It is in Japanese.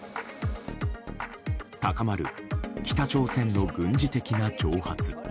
高まる北朝鮮の軍事的な挑発。